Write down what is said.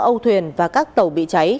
âu thuyền và các tàu bị cháy